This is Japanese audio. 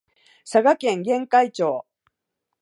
佐賀県玄海町